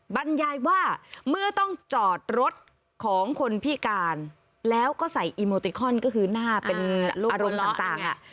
บรรยายว่าเมื่อต้องจอดรถของคนพิการแล้วก็ใส่อีโมติคอนก็คือหน้าเป็นอารมณ์ต่าง